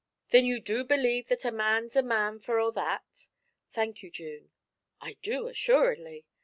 'Then you do believe that "a man's a man for a' that?" Thank you, June.' 'I do, assuredly.'